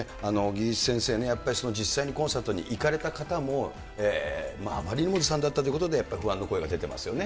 尾木先生ね、やっぱり実際にコンサートに行かれた方も、あまりにもずさんだったということで、不安の声が出ていますよね。